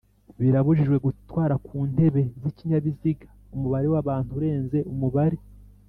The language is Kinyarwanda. Birabujijwe gutwara ku ntebe z ikinyabiziga umubare w abantu urenze umubare